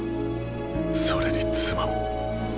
それに妻も。